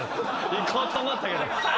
行こうと思ったけど。